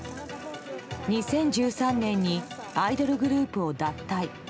２０１３年にアイドルグループを脱退。